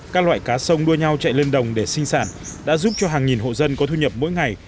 các loại cá sông đua nhau chạy lên đồng để sinh sản đã giúp cho hàng nghìn hộ dân có thu nhập mỗi ngày